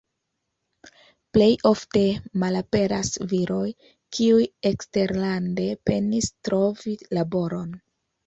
Plej ofte malaperas viroj, kiuj eksterlande penis trovi laboron.